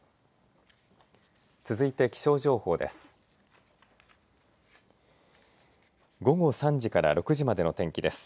続いて気象情報です。